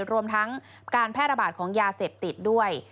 รวมทั้งการแพร่ระบาดของยาเสพติดด้วย